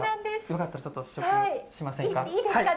よかったらちょっと試食しませんか？